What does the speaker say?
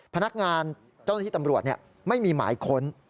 พนักงานเจ้าหน้าที่ตำรวจไม่มีหมายค้น